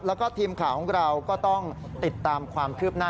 แล้วก็ทีมข่าวของเราก็ต้องติดตามความคืบหน้า